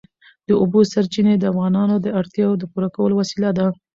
د اوبو سرچینې د افغانانو د اړتیاوو د پوره کولو وسیله ده.